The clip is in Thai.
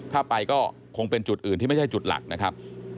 ถ้าไปก็คงเป็นจุดอื่นที่ไม่ใช่จุดหลักนะครับ